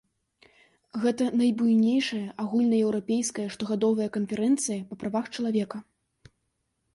Гэта найбуйнейшая агульнаеўрапейская штогадовая канферэнцыя па правах чалавека.